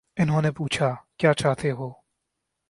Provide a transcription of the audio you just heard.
انہوں نے پوچھا: کیا چاہتے ہو؟